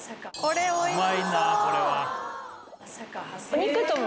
うまいなこれは。